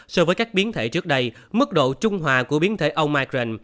so với các biến thể trước đây mức độ trung hòa của biến thể omicren